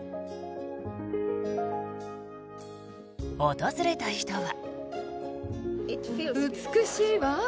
訪れた人は。